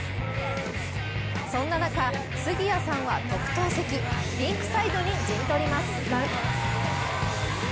そんな中、杉谷さんは特等席、リンクサイドに陣取ります。